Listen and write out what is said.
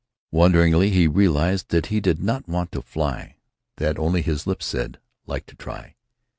Wonderingly he realized that he did not want to fly; that only his lips said, "Like to try."